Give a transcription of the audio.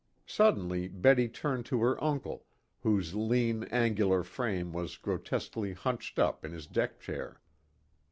Suddenly Betty turned to her uncle, whose lean, angular frame was grotesquely hunched up in his deck chair.